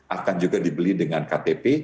akan juga dibeli dengan ktp